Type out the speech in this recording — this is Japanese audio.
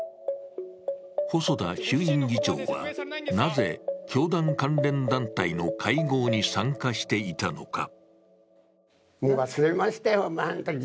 細田衆院議長は、なぜ教団関連団体の会合に参加していたのか。